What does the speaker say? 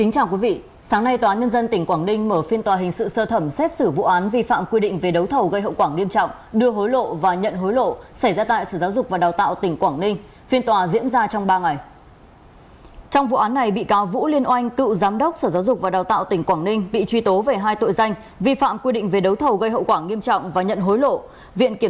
chào mừng quý vị đến với bộ phim hãy nhớ like share và đăng ký kênh của chúng mình nhé